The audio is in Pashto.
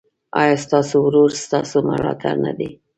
ایا ستاسو ورور ستاسو ملاتړ نه دی؟